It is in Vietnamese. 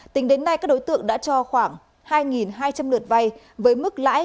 tính đến nay các đối tượng đã cho khoảng hai hai trăm linh lượt vay với mức lãi